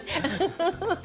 ハハハ。